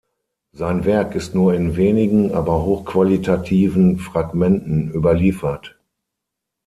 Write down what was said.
Sein Werk ist nur in wenigen, aber hochqualitativen Fragmenten überliefert.